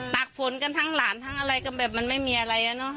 ตากฝนกันทั้งหลานทั้งอะไรกันแบบมันไม่มีอะไรนะ